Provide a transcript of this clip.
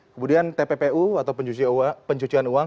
kemudian tppu atau pencucian uang